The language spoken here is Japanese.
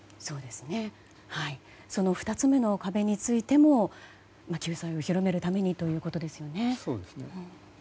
その２つ目の壁についても救済を広めるためにということですね。